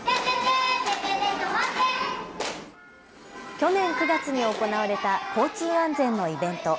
去年９月に行われた交通安全のイベント。